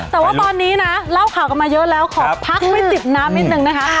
แต่ว่าตอนนี้นะเล่าข่าวกันมาเยอะแล้วขอพักไว้จิบน้ำนิดนึงนะคะ